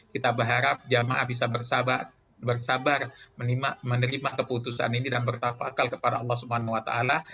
kita berharap jemaah bisa bersabar menerima keputusan ini dan bertafakal kepada allah swt